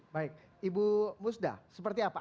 baik ibu musda seperti apa